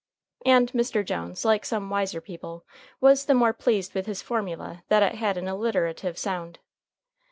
And Mr. Jones, like some wiser people, was the more pleased with his formula that it had an alliterative sound.